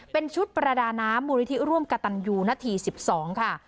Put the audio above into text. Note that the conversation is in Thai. เป็นชุดประดาน้ำมูลนิธิร่วมกระตันยูนาที๑๒ค่ะ